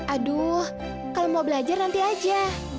aduh kalau mau belajar nanti aja